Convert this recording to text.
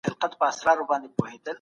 د پرېکړو نه پلي کېدل د سياست کمزوري ده.